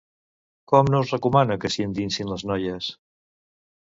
Com no es recomana que s'hi endinsin les noies?